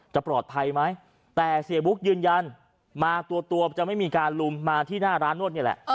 จะปลอดภัยไหมแต่เสียบุ๊กยืนยันมาตัวจะไม่มีการลุมมาที่หน้าร้านนวดนี่แหละ